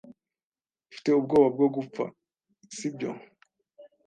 Ufite ubwoba bwo gupfa, si byo?